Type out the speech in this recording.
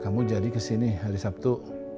kamu jadi ke sini hari sabtu